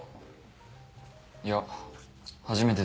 いや初めてです。